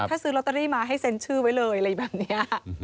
ถ้าซื้อลอตเตอรี่มาให้เซ็นชื่อไว้เลยอะไรแบบนี้